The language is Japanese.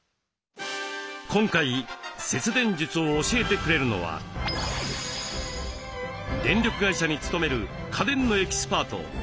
今回節電術を教えてくれるのは電力会社に勤める家電のエキスパート中村剛さん。